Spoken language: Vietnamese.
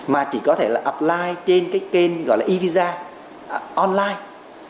mà chỉ có thể là apply trên cái kênh gọi là evisa online